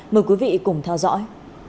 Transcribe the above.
mời quý vị cùng theo dõi